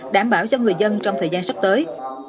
đảm bảo cho người dân trong thời gian sắp tới